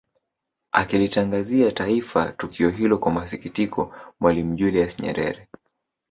Akilitangazia Taifa tukio hilo kwa masikitiko Mwalimu Julius Nyerere